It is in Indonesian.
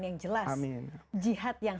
yang jelas jihad yang